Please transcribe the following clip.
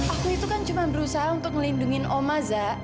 aku itu kan cuma berusaha untuk melindungi oma za